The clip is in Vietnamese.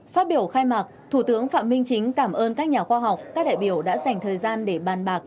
phát biểu khai mạc thủ tướng phạm minh chính cảm ơn các nhà khoa học các đại biểu đã dành thời gian để bàn bạc